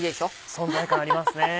存在感ありますね。